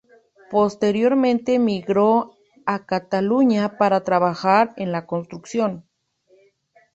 Posteriormente emigró a Cataluña para trabajar en la construcción.